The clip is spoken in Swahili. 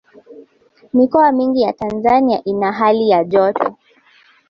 mikoa mingi ya tanzania ina hali ya joto